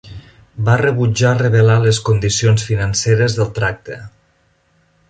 Va rebutjar revelar les condicions financeres del tracte.